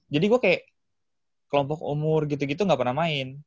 jadi gue kayak kelompok umur gitu gitu enggak pernah main